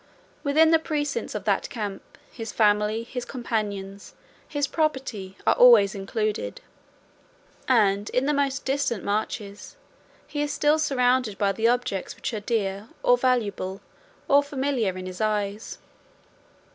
Within the precincts of that camp, his family, his companions, his property, are always included; and, in the most distant marches, he is still surrounded by the objects which are dear, or valuable, or familiar in his eyes.